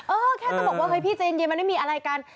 เออแค่จะบอกว่าเฮ้ยพี่ใจเย็นมันไม่มีอะไรกัน